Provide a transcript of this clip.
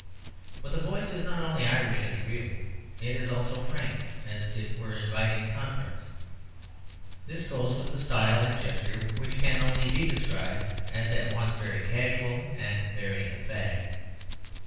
But the voice is not only Irish and agreeable, it is also frank and as it were inviting conference. This goes with a style and gesture which can only be described as at once very casual and very emphatic.